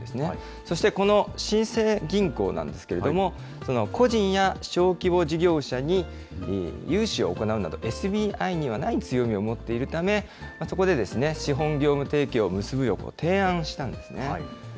そして、この新生銀行なんですけれども、個人や小規模事業者に融資を行うなど、ＳＢＩにはない強みを持っているため、そこで資本業務提携を結ぶよう提案したんですね。